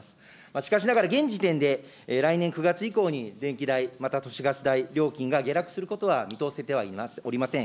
しかしながら現時点で来年９月以降に電気代、また都市ガス代、料金が下落することは見通せてはおりません。